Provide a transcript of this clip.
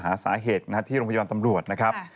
หาสาเหตุที่โรงพยาบาลตำรวจนะครับ